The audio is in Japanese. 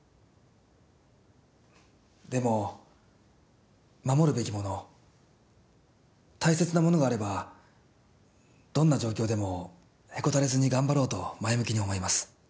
でも守るべきもの大切なものがあればどんな状況でもへこたれずに頑張ろうと前向きに思います。